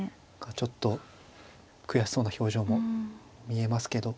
ちょっと悔しそうな表情も見えますけど